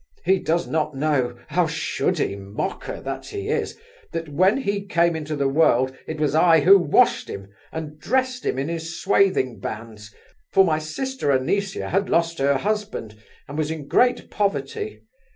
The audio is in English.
He does not know—how should he, mocker that he is?—that when he came into the world it was I who washed him, and dressed him in his swathing bands, for my sister Anisia had lost her husband, and was in great poverty.